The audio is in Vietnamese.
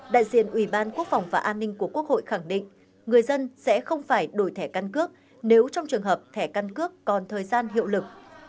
đại diện ủy ban quốc phòng và an ninh của quốc hội khẳng định người dân sẽ không phải đổi thẻ căn cước nếu trong trường hợp thẻ căn cước còn thời gian hiệu lực